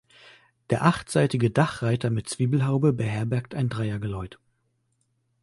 Der achtseitige Dachreiter mit Zwiebelhaube beherbergt ein Dreiergeläut.